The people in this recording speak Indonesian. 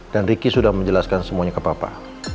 dan ricky sudah menjelaskan semuanya ke papa